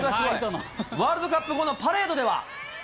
ワールドカップ後のパレードでは。